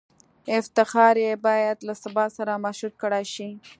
افتخار یې باید له ثبات سره مشروط کړای شي.